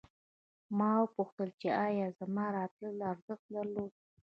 ما وپوښتل چې ایا زما راتلل ارزښت درلود